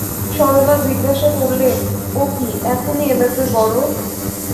সরলা জিজ্ঞাসা করলে, ও কী, এখনি এলে যে বড়ো!